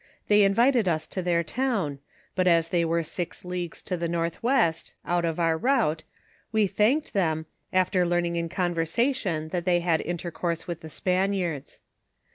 They invited us to their town, but as they were six leagues to tl.o northwest, out of our route, we thanked them, after learning in conversation, that they had intercourse with the Spaniards.